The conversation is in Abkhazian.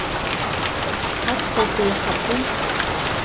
Ҳаҭхәа деиҳабын.